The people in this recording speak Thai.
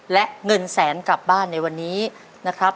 และเงินแสนกลับบ้านในวันนี้นะครับ